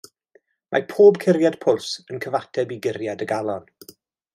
Mae pob curiad pwls yn cyfateb i guriad y galon.